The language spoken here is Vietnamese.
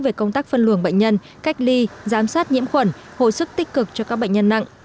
về công tác phân luồng bệnh nhân cách ly giám sát nhiễm khuẩn hồi sức tích cực cho các bệnh nhân nặng